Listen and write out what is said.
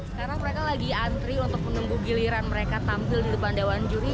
sekarang mereka lagi antri untuk menunggu giliran mereka tampil di depan dewan juri